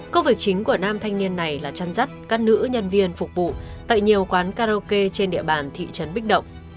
câu việc chính của nam thanh niên này là chăn rắt các nữ nhân viên phục vụ tại nhiều quán karaoke trên địa bàn thị trấn bích động